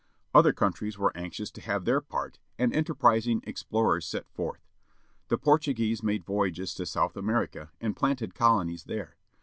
Other countries were anxious to have their part, and enterprising explorers set forth. The Portuguese made voyages to South America, and planted colonies there.